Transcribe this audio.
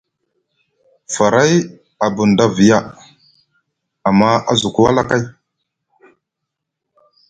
Faray a bunda viya, amma a zuku wala kay.